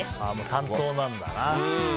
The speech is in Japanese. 担当なんだな。